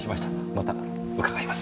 また伺います。